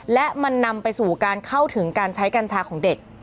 และมันนำไปสู่การเข้าถึงการใช้กัญชาของเด็ก